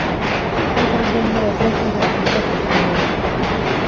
Alcanzó el número tres en las listas españolas.